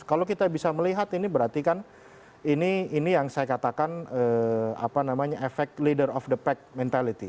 kalau kita bisa melihat ini berarti kan ini yang saya katakan efek leader of the pack mentality